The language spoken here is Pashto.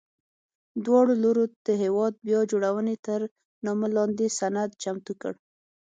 دواړو لورو د هېواد بیا جوړونې تر نامه لاندې سند چمتو کړ.